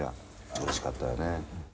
うれしかったよね。